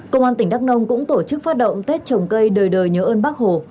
công an tỉnh đắk nông cũng tổ chức phát động tết trồng cây đời đời nhớ ơn bác hồ